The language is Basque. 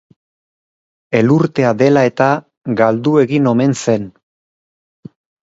Elurtea dela eta, galdu egin omen zen.